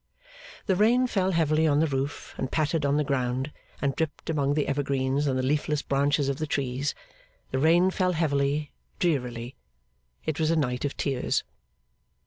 The rain fell heavily on the roof, and pattered on the ground, and dripped among the evergreens and the leafless branches of the trees. The rain fell heavily, drearily. It was a night of tears.